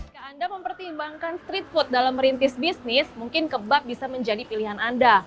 jika anda mempertimbangkan street food dalam merintis bisnis mungkin kebab bisa menjadi pilihan anda